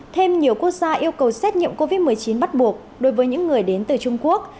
thêm nhiều quốc gia yêu cầu xét nghiệm covid một mươi chín bắt buộc đối với những người đến từ trung quốc